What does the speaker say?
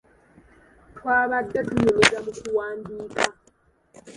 Twabadde tunyumiza mu kuwandiika.